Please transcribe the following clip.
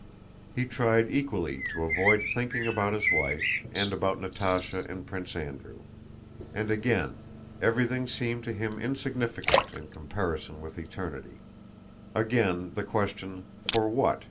He tried equally to avoid thinking about his wife, and about Natásha and Prince Andrew; and again everything seemed to him insignificant in comparison with eternity; again the question: for what?